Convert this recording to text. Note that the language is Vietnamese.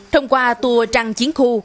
thông qua tour trăng chiến khu